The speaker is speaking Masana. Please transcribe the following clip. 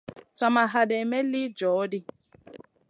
Sa ma haɗeyn may li joh ɗi.